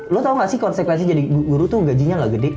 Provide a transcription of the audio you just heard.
lo tau gak sih konsekuensi jadi guru tuh gajinya gak gede